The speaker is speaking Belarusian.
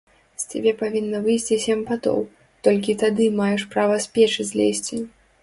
З цябе павінна выйсці сем патоў, толькі тады маеш права з печы злезці!